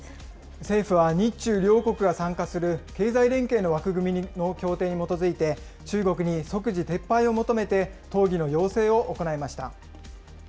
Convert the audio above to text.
政府は日中両国が参加する経済連携の枠組みの協定に基づいて、中国に即時撤廃を求めて、討議の要請を行いました。